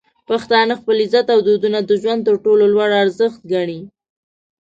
پښتانه خپل عزت او دودونه د ژوند تر ټولو لوړ ارزښت ګڼي.